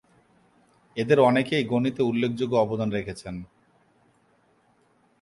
এঁদের অনেকেই গণিতে উল্লেখযোগ্য অবদান রেখেছেন।